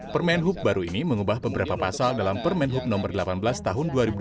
permen hub baru ini mengubah beberapa pasal dalam permen hub no delapan belas tahun dua ribu dua puluh